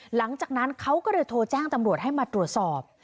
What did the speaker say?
หลังจากนั้นเขาก็เลยโทรแจ้งตำรวจให้มาตรวจสอบ